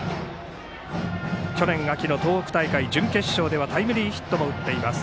去年秋の東北大会の準決勝ではタイムリーヒットも打っています。